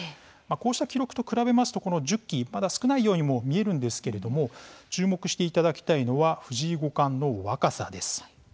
こうした記録と比べますとこの１０期、まだ少ないようにも見えるんですけれども注目していただきたいのは藤井五冠の若さです。